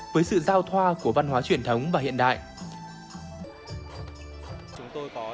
với sự giao thoa của văn hóa truyền thống và hiện đại